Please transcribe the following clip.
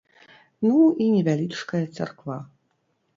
Ну і невялічкая царква.